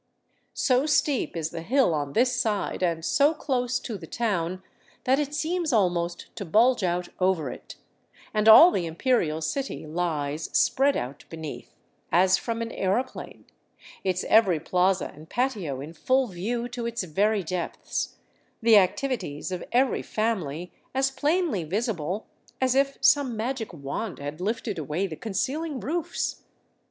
So steep is the hill on this side, and so close to the town, that it seems almost to bulge out over it, and all the Imperial city lies spread out beneath, as from an aeroplane, its every plaza and patio in full view to its very depths, the activities of every family as plainly visible as if some magic wand had lifted away the concealing roofs.